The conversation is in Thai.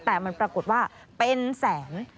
แต่มันปรากฏว่าเป็นแสน